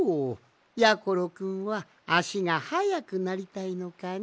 やころくんはあしがはやくなりたいのかね？